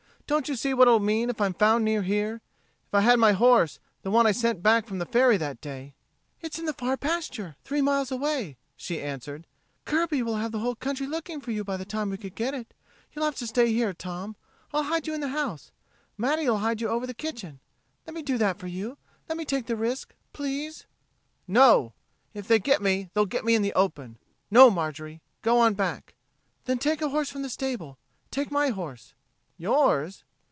Don't you see what it'll mean if I'm found near here? If I had my horse, the one I sent back from the ferry that day...." "It's in the far pasture three miles away," she answered. "Kirby'll have the whole country looking for you by the time we could get it. You'll have to stay here, Tom. I'll hide you in the house Matty'll hide you over the kitchen. Let me do that for you let me take the risk. Please!" "No! If they get me, they'll get me in the open. No, Marjorie. Go on back." "Then take a horse from the stable. Take my horse." "Yours?"